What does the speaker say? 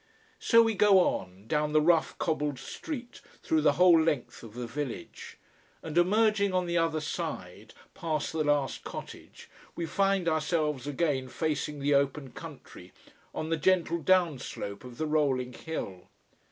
So we go on, down the rough cobbled street through the whole length of the village. And emerging on the other side, past the last cottage, we find ourselves again facing the open country, on the gentle down slope of the rolling hill.